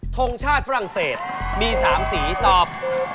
ทงชาติฝรั่งเศสมี๓สีตอบ